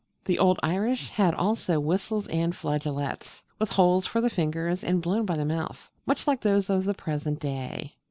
The old Irish had also Whistles and Flageolets, with holes for the fingers and blown by the mouth, much like those of the present day.